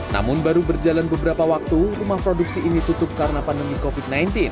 namun baru berjalan beberapa waktu rumah produksi ini tutup karena pandemi covid sembilan belas